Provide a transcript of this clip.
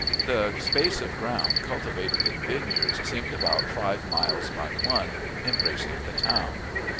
The space of ground cultivated in vineyards seemed about five miles by one, embracing the town.